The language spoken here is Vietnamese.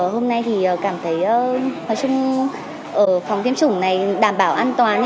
hôm nay thì cảm thấy ở phòng tiêm chủng này đảm bảo an toàn